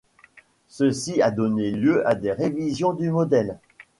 Ceci a donné lieu à des révision du modèle.